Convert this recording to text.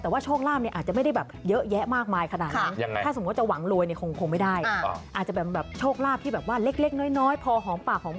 อาจจะแบบโชคราบที่แบบว่าเล็กน้อยพอหอมปากหอมคอ